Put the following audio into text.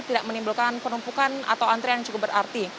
tidak menimbulkan penumpukan atau antrian yang cukup berarti